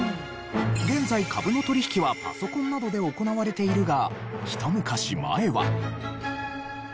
現在株の取引はパソコンなどで行われているがひと昔前は。